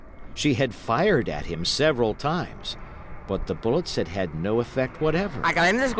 She had fired at him several times, but the bullets had had no effect whatever.